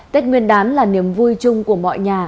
tết nguyên đán là niềm vui chung của mọi nhà